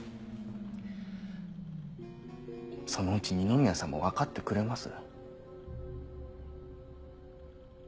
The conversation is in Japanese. そのうち二宮さんも分かってくれます。